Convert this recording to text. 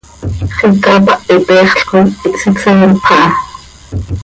Xiica hapahit heexl coi hsicseenpx aha.